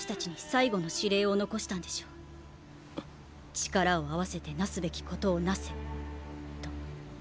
力を合わせて為すべきことを為せと。